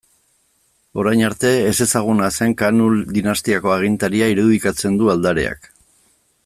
Orain arte ezezaguna zen Kaanul dinastiako agintaria irudikatzen du aldareak.